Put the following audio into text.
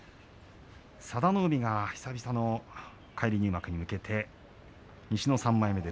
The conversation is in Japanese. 佐田の海、久々の返り入幕に向けて西の３枚目です。